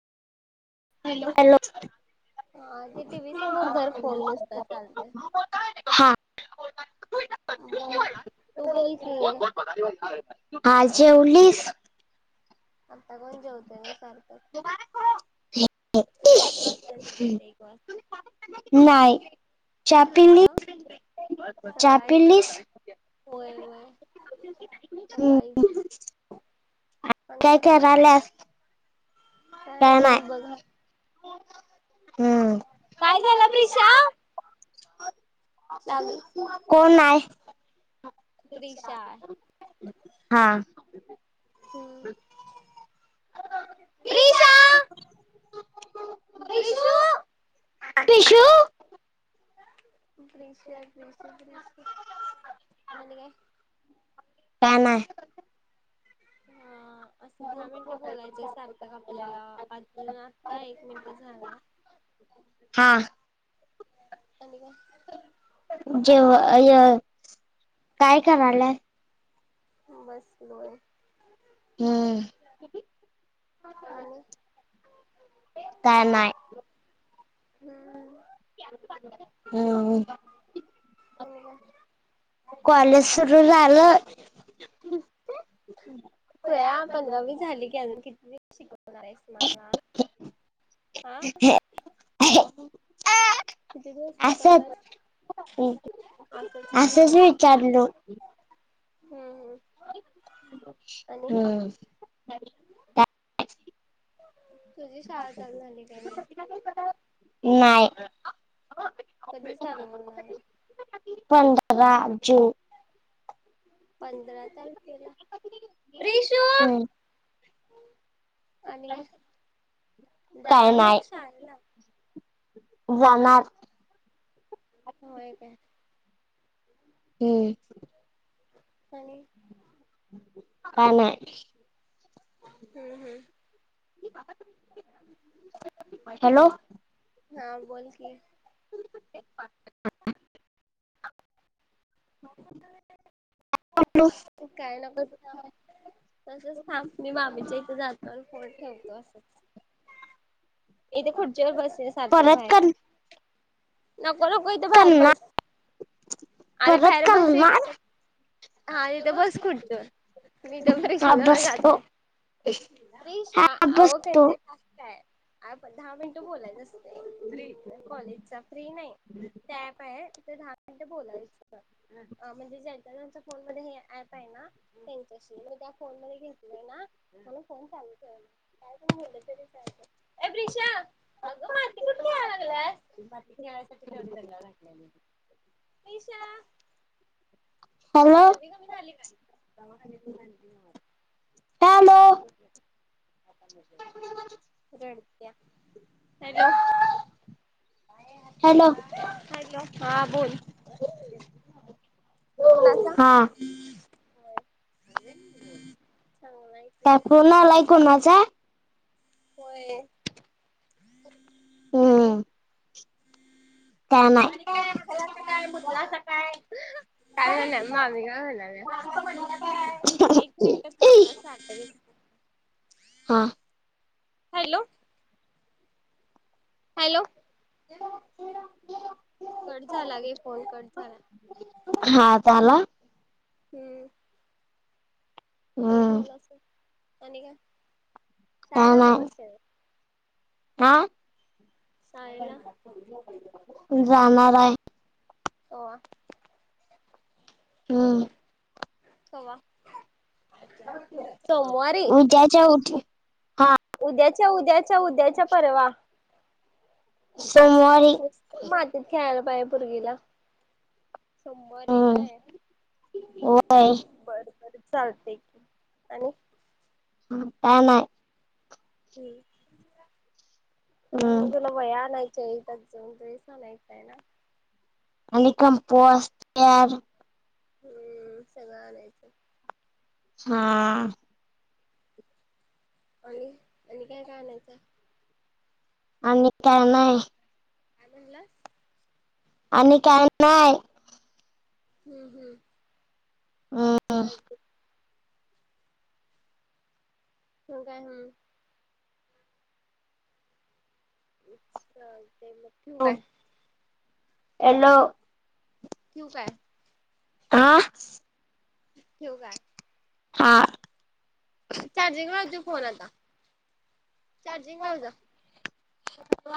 Hello हा ते T V समोर घर फोन नुसत चालतय ब ब ब आज जेवलीस आता कोण जेवतय न सारख एक वाजता एक वाजता अआ सकाळी होय वय सकाळी काय कराल्यास काय नाही बघा हो काय झालं प्रिषा हा कोणाय हा त्रिशा प्रीशु प्रिशु प्रिशु अणि काय काय नाय ह असं दहा मिनिटं बोलायचय सार्थक आपल्याला अजून आता एक मिनिट झालाय हा जेवाय ऐ काय कराल्यास बस लो आहे हम्म का नाहीय हम्म हा हो कॉलेज सुरू झालं खुळ्या पंधरावी झाली की अजून किती शिक शिकवणार आहेस मला ह असंच असंच विचारलो हम ह हम् ह तुझी शाळा चालू झाली काय नाही ह कधी चालू होणार पंधरा जून पंधरा तारखेला प्रिशु आणि काय जाणार मग शाळेला जाणार होय काय हम्म आणि का ना हम्म हम्म त पा हॅलो हा बोलकीि [unintelligible] काय नक ना तसच थांब मी मामीच्या या इथे जातो आणि फोन ठेवतो असंच इथे खुर्च्यावर बसे सारथक बाहेर नको नको इथ बाहेर बस अरे बाहेर बस ये की इथं. हा इथं बस खुर्चीवर मी तर रिक्षेजवळ जातो. रीक्षा अव कणते आ दहा मिनट बोलायचं असतं. फ्री का? कॉलेजचा फ्री नाही ते एक ऍप आहे. दहा मिनट बोलाय म्हणजे ज्यांच्या ज्यांच्या फोनमध्ये हे ऍप आहे ना त्यांच्याशी. म त्या फोन मध्ये घेतलं आहे ना म्हणून फोन चालू ठेवायला. काय पण बोललं तरी चालतं. ए प्रिशा अगं माती कुठं खेळायला लागला? ती माती खेळायसाठीच एवढा दंगा घातलेली. प्रिशा सर्दी कमी झाली काय? दवाखान्यातून आणली ना. रेड. या हॅलो हॅलो. हा बोल कुणाचा? काय फोन आलाय कोणाचा? होय. आणि काय? आणि काय हागलं का काय? मुतला का काय? काय म्हण मामी काय म्हणायला? टाक पडलं का काय? एक मिनिट थांब हं. शांत बैस. हा. हॅलो [inaudible] कट झाला गे फोन कट झाला. हं. कट झाला असल आणि काय? शाळेना मगस केल आं. [inaudible] जाणार आहे. ओवा. [inaudible] कवा. [inaudible] उद्याच्या उदया उद्याच्या उद्या च्या उद्याच्या परवा. मस्त मातीत खेळायला माज्या पोरगीला सोमारी व्हय? अं बर बर चालते की. आणि? हं त्या नाही. हे निघलो बाई आणाय तीन तास जाऊन ड्रेस घालायचा आहे ना. आणि कंपोस्ट [unintelligible] हम्म सगळं आणायचं. हा आणि, आणि काय काय आणायचं? आणि काय नाही. काय म्हणलास? आणि काय नाही. हम्म, हम्म. [inaudible] चालते. हो काय? हम्. [unintelligible] ठीक हाय ठेऊ काय? येलो ठीऊ काय. आ ठेऊ का हा चार्जिंग लावते फोन आता. चार्जिंग लाव जा. [unintelligible]